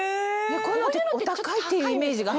こういうのってお高いっていうイメージが。